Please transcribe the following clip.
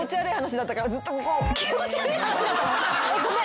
ごめん。